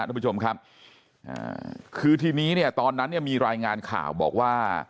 ทุกผู้ชมครับอ่าคือทีนี้เนี่ยตอนนั้นเนี่ยมีรายงานข่าวบอกว่า